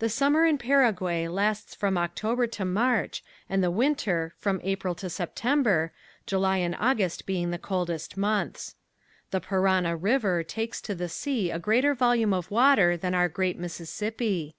The summer in Paraguay lasts from October to March and the winter from April to September, July and August being the coldest months. The Parana river takes to the sea a greater volume of water than our great Mississippi.